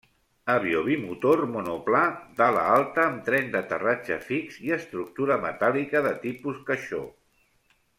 Avió bimotor monoplà d'ala alta amb tren d'aterratge fix i estructura metàl·lica de tipus caixó.